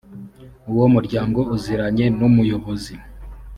uwo muryango uziranye n umuyobozi